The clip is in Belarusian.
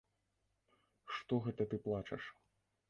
Што гэта ты плачаш?